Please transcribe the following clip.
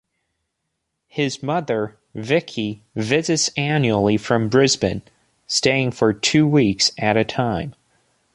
His mother, Vicki, visits annually from Brisbane, staying for two weeks at a time.